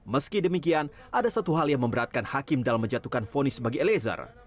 meski demikian ada satu hal yang memberatkan hakim dalam menjatuhkan fonis bagi eliezer